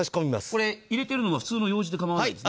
これ入れているのは普通のようじでかまわないですね？